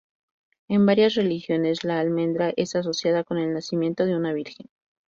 En varias religiones la almendra es asociada con el nacimiento de una virgen.